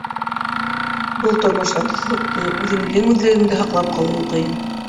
Был тормошта дуҫлыҡты, үҙендең үҙлегеңде һаҡлап ҡалыуы ҡыйын.